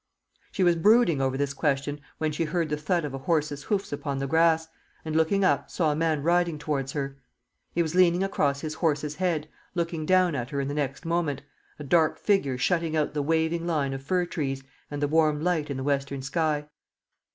She was brooding over this question when she heard the thud of a horse's hoofs upon the grass, and, looking up, saw a man riding towards her. He was leaning across his horse's head, looking down at her in the next moment a dark figure shutting out the waving line of fir trees and the warm light in the western sky.